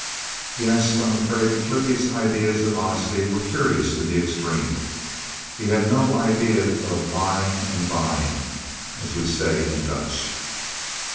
Yes, I am afraid Flippie's ideas of honesty were curious in the extreme. He had no idea of "mine and thine," as we say in Dutch.